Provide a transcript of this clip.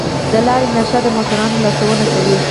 د لارې نښه د موټروان لارښوونه کوي.